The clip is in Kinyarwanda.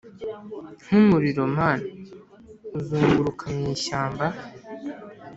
nkumuriro-mana uzunguruka mu ishyamba